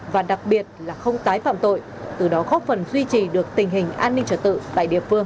và đặc biệt là không tái phạm tội từ đó góp phần duy trì được tình hình an ninh trở tự tại địa phương